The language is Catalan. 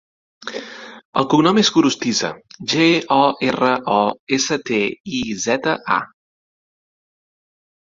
El cognom és Gorostiza: ge, o, erra, o, essa, te, i, zeta, a.